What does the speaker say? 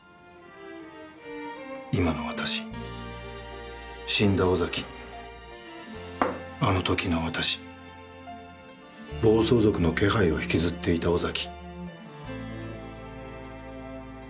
今の私、死んだ尾崎、あのときの私、暴走族の気配を引きずっていた尾崎、」。